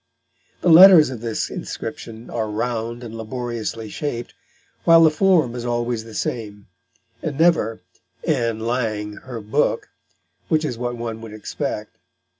The letters of this inscription are round and laboriously shaped, while the form is always the same, and never "Ann Lang, her book," which is what one would expect.